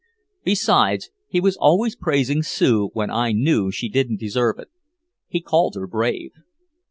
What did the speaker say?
Besides, he was always praising Sue when I knew she didn't deserve it. He called her brave.